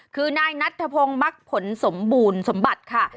คือนายนัทธพงศ์มักผลสมบูรณ์สมบัติค่ะ